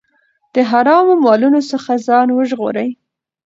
د حرامو مالونو څخه ځان وژغورئ.